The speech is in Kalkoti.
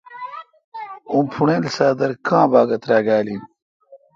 اوں پھوݨیل سادر کاں باگہ تراگال این۔